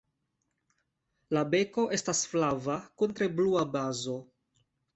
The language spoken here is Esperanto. La beko estas flava kun tre blua bazo.